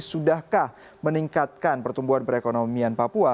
sudahkah meningkatkan pertumbuhan perekonomian papua